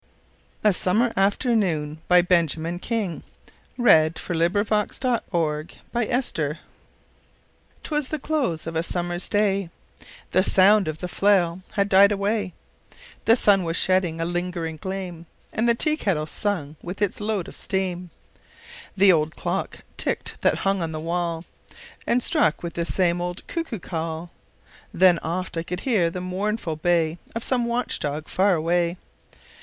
Fishes→ 124600Ben King's Verse — A Summer's AfternoonBenjamin Franklin King 'Twas the close of a summer's day, The sound of the flail had died away, The sun was shedding a lingering gleam, And the teakettle sung with its load of steam. The old clock ticked that hung on the wall And struck 'th the same old cuckoo call; Then oft I could hear the mournful bay Of some watch dog far away.